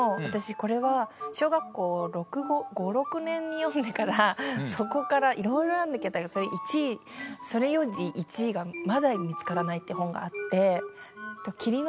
私これは小学校６５５６年に読んでからそこからいろいろ読んだけどそれ１位それより１位がまだ見つからないって本があって。